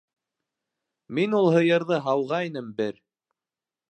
Мин ул һыйырҙы һауғайным бер...